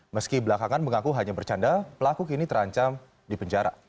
meski belakangan mengaku hanya bercanda pelaku kini terancam di penjara